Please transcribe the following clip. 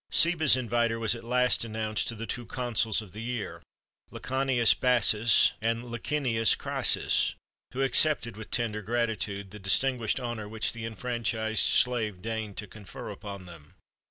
[XXXV 2] Seba's Invitor was at last announced to the two consuls of the year, Lecanius Bassus and Licinius Crassus, who accepted with tender gratitude the distinguished honour which the enfranchised slave deigned to confer upon them.